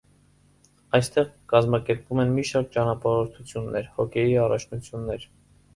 Այստեղ կազմակերպվում են մի շարք ճանապարհորդություններ, հոկեյի առաջնություններ։